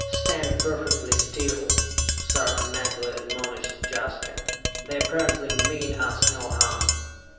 "Stand perfectly still," Sarka mentally admonished Jaska, "they apparently mean us no harm!"